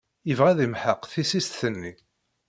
Yebɣa ad yemḥeq tissist-nni.